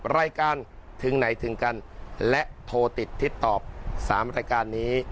รายการถึงไหนถึงกันและโทรติดทิศตอบ๓รายการนี้